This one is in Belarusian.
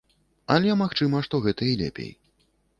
Але магчыма, што гэта і лепей.